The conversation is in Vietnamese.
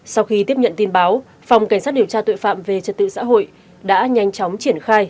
sau khi tiếp nhận tin báo phòng cảnh sát điều tra tội phạm về trật tự xã hội đã nhanh chóng triển khai